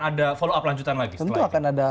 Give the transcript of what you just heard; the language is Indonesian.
ada follow up lanjutan lagi tentu akan ada